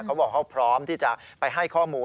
เขาบอกเขาพร้อมที่จะไปให้ข้อมูล